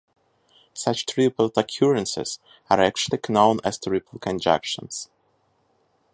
Such tripled occurrences are actually known as triple conjunctions.